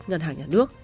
ngân hàng nhà nước